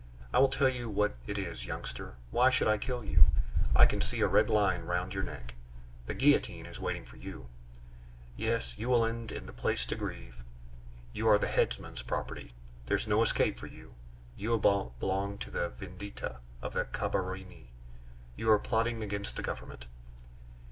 I will tell you what it is, youngster; why should I kill you? I can see a red line round your neck the guillotine is waiting for you. Yes, you will end in the Place de Grève. You are the headsman's property! there is no escape for you. You belong to a vendita of the Carbonari. You are plotting against the Government."